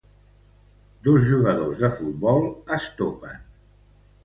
Dos jugadors de futbol es topen.